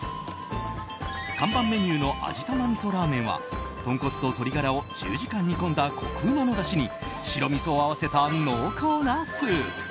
看板メニューの味玉味噌ラーメンは豚骨と鶏ガラを１０時間煮込んだコクうまのだしに白みそを合わせた濃厚なスープ。